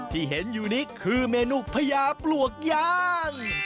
ที่เห็นอยู่นี้คือเมนูพญาปลวกย่าง